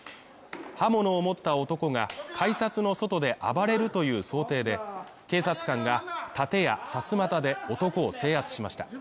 刃物を持った男が、改札の外で暴れるという想定で警察官が盾やさすまたで男を制圧しました。